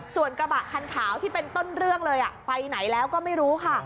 ส่วนกระบะคันขาวที่เป็นต้นเรื่องเลยไปไหนแล้วก็ไม่รู้ค่ะ